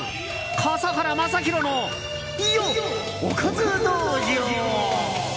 笠原将弘のおかず道場。